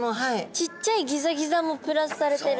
ちっちゃいギザギザもプラスされてる。